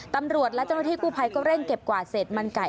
ตำรวจและจังหวัดที่คู่ภัยก็เร่งเก็บกวาดเศษมันไก่